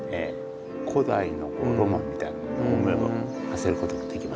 古代のロマンみたいなものに思いをはせることができますよね。